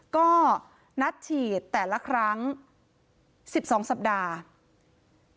ก็นัดฉีดแต่ละครั้ง๑๒สัปดาห์